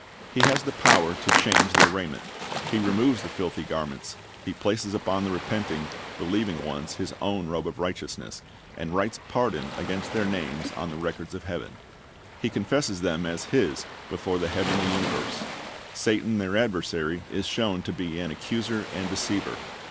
He has the power to change their raiment. He removes the filthy 'Zech. 3:3 7 I JO C h r i s t ' s O bj c c t L c s s o n s •garments, He places upon the repenting, believing ones His own robe of righteousness, and writes pardon against their names on the records of heaven. He confesses them as His before the heavenly universe. Satan their adversary is shown to be an accuser and deceiver.